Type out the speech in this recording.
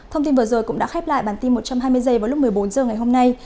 thông tin vừa rồi cũng đã khép lại bản tin một trăm hai mươi h vào lúc một mươi bốn h ngày hôm nay